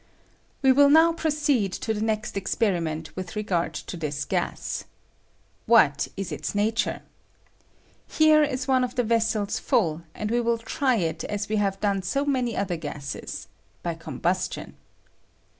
We win now proceed to the nest experiment ■with regard to this gas. What is its nature ? Here is one of the vessels full, and we will try it as we have done so many other gases — by combustion.